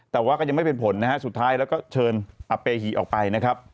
แต่ว่าก็ยังไม่เป็นผลสุดท้ายเราก็เชิญอัปเปหิออกไป